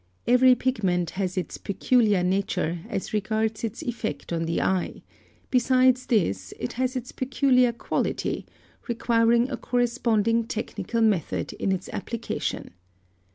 Every pigment has its peculiar nature as regards its effect on the eye; besides this it has its peculiar quality, requiring a corresponding technical method in its application.